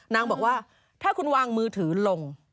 นางบอกว่าถ้าคุณวางมือถือลง